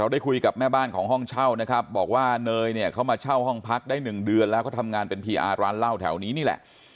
ได้คุยกับแม่บ้านของห้องเช่านะครับบอกว่าเนยเนี่ยเขามาเช่าห้องพักได้หนึ่งเดือนแล้วก็ทำงานเป็นพีอาร์ร้านเหล้าแถวนี้นี่แหละ